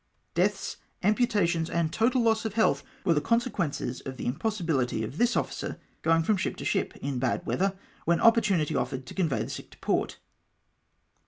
Deaths, amputations, and total loss of health, were the consequences of the impossibility of this officer going from Q, 3 230 NAVAL HOSPITALS. ship to ship, iu bad weather, wlien opportunity offered to con vey the sick to port.